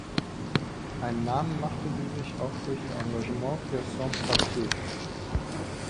Einen Namen machte sie sich auch durch ihr Engagement für Sans papiers.